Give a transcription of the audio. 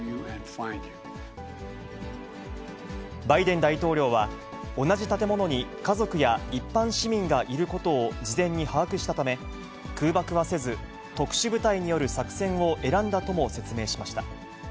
バイデン大統領は、同じ建物に家族や一般市民がいることを事前に把握したため、空爆はせず、特殊部隊による作戦を選んだとも説明しました。